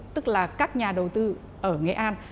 tức là các nhà đầu tư ở nghệ an